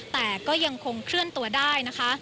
แต่ก็ยังคงเคลื่อนตัวได้นะคะ